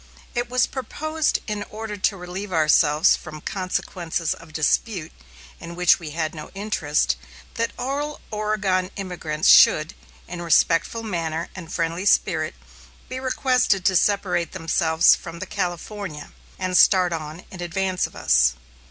It was proposed in order to relieve ourselves from consequences of dispute in which we had no interest, that all Oregon emigrants should, in respectful manner and friendly spirit, be requested to separate themselves from the California, and start on in advance of us.